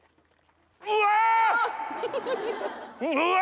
うわ！